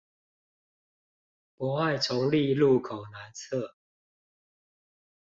博愛重立路口南側